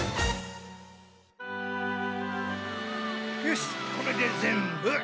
よしこれで全部！